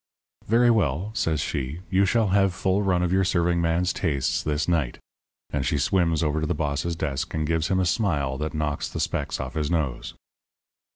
"'Very well,' says she. 'You shall have full run of your serving man's tastes this night.' And she swims over to the boss's desk and gives him a smile that knocks the specks off his nose.